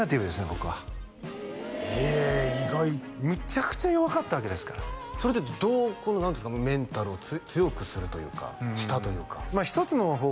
僕はへえ意外むちゃくちゃ弱かったわけですからそれでどうこの何ていうんですかメンタルを強くするというかしたというかまあ一つの方法